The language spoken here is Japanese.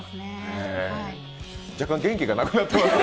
若干元気がなくなってますね。